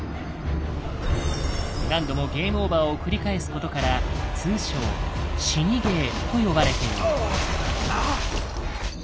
何度もゲームオーバーを繰り返すことから通称「死にゲー」と呼ばれている。